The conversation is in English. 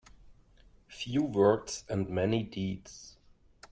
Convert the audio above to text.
Few words and many deeds.